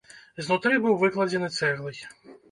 Знутры быў выкладзены цэглай.